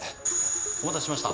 お待たせしました。